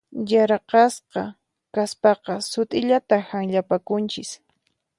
Yaraqasqa kaspaqa sut'illata hanllapakunchis.